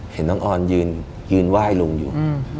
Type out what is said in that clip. เห็นน้องออนยืนไหว้ลุงอยู่